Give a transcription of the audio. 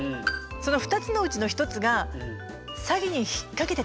その２つのうちの１つが「詐欺に引っ掛けてたんだ。